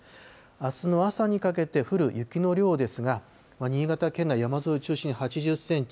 あすの朝にかけて降る雪の量ですが、新潟県内、山沿いを中心に８０センチ。